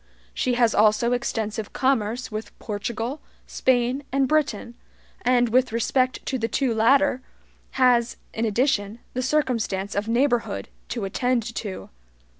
She has also extensive commerce with Portugal, Spain, and Britain, and, with respect to the two latter, has, in addition, the circumstance of neighborhood to attend to.